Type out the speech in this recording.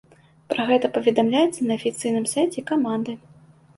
Пра гэта паведамляецца на афіцыйным сайце каманды.